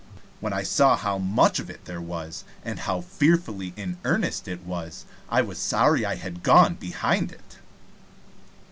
When I saw how much of it there was, and how fearfully in earnest it was, I was sorry I had gone behind it.